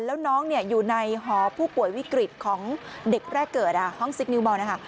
แล้วน้องอยู่ในหอผู้ป่วยวิกฤตของเด็กแรกเกิดห้องซิคนิวบอลนะคะ